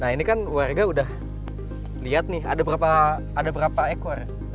nah ini kan warga udah lihat nih ada berapa ekor